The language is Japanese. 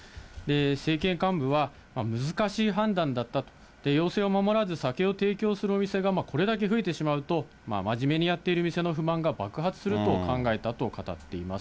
政権幹部は、難しい判断だった、要請を守らず、酒を提供するお店がこれだけ増えてしまうと、真面目にやっている店の不満が爆発すると考えたと語っています。